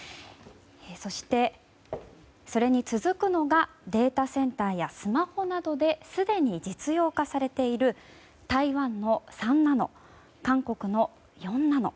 そして、それに続くのがデータセンターやスマホなどですでに実用化されている台湾の３ナノ韓国の４ナノ。